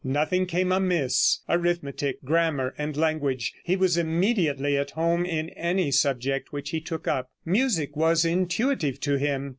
Nothing came amiss, arithmetic, grammar and language he was immediately at home in any subject which he took up. Music was intuitive to him.